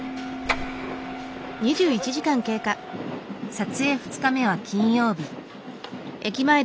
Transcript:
撮影２日目は金曜日。